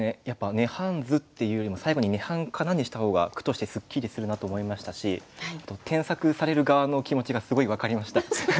やっぱ「涅槃図」っていうよりも最後に「涅槃かな」にした方が句としてすっきりするなと思いましたしあと添削される側の気持ちがすごい分かりました。